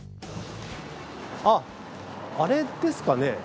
あっあれですかね？